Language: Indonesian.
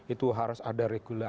itu harus ada regulasi